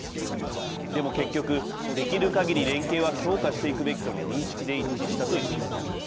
でも結局、できるかぎり連携は強化していくべきとの認識で一致したと言います。